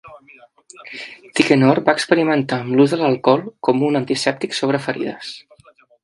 Tichenor va experimentar amb l'ús d'alcohol com un antisèptic sobre ferides.